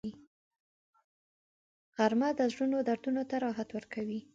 غرمه د زړه دردونو ته راحت ورکوي